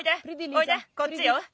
おいでこっちよ。